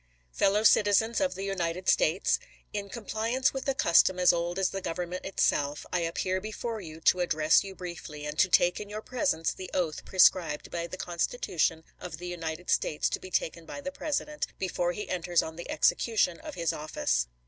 Fellow citizens of the United States: In compli Mar. 4, lsei. ance with a custom as old as the Government itself, I appear before you to address you briefly, and to take in your presence the oath prescribed by the Constitution of the United States to be taken by the President " before he enters on the execution of his office."